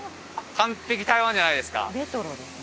完璧台湾じゃないですか？